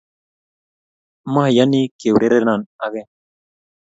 moyanii keurerenon ageny.